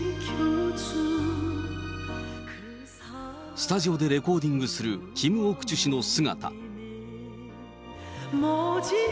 スタジオでレコーディングするキム・オクチュ氏の姿。